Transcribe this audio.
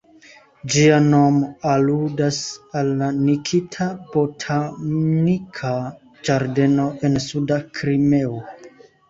Ĝia nom aludas al la Nikita botanika ĝardeno, en suda Krimeo.